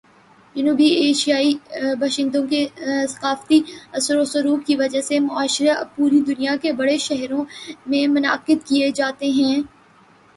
جنوبی ایشیائی باشندوں کے ثقافتی اثر و رسوخ کی وجہ سے، مشاعرے اب پوری دنیا کے بڑے شہروں میں منعقد کیے جاتے ہیں۔